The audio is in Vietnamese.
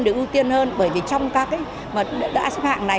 được ưu tiên hơn bởi vì trong các cái mà đã xếp hạng này